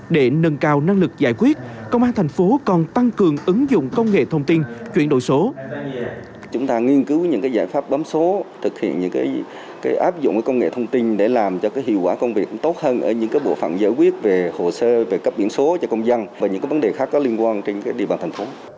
để nâng cao năng lực giải quyết công an thành phố còn tăng cường ứng dụng công nghệ thông tin chuyển đổi số